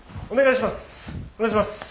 お願いします！